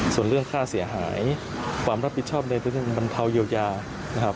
ส่วนเรื่องค่าเสียหายความรับผิดชอบใดมันเทาเยียวยา